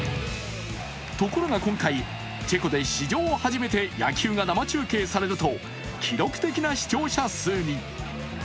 ところが今回、チェコで史上初めて野球が生中継されると記録的な視聴者数に。